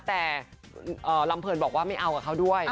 แต่ลำเพลินบอกว่าไม่เอากับเขาด้วย